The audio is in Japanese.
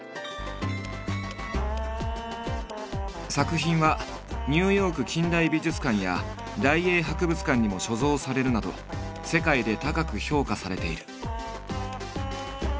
作品はニューヨーク近代美術館や大英博物館にも所蔵されるなど世界で高く評価されている。